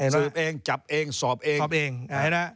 สืบเองจับเองสอบเอง